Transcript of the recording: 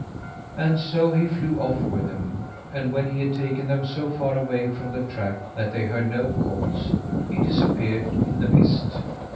And so he flew off with them; and when he had taken them so far away from the track that they heard no calls, he disappeared in the mist.